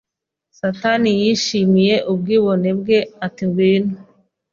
Satani yishimiye ubwibone bwe ati Ngwino